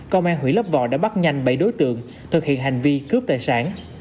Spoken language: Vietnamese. công an huyện lấp vò đã bắt nhanh bảy đối tượng thực hiện hành vi cướp tài sản